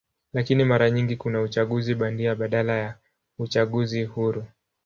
Lakini mara nyingi kuna uchaguzi bandia badala ya uchaguzi huru.